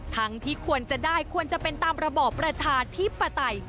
ทั้งที่ควรจะได้ควรจะเป็นตามระบอประชาที่ปฏิ